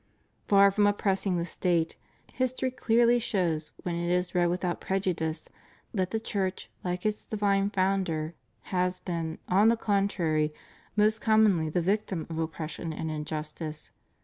Far from oppressing the State, history clearly shows when it is read without prejudice, that the Church like its divine Founder has been, on the contrary, most commonly the victim of oppression and injustice.